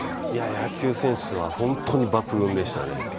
野球センスは本当に抜群でしたね。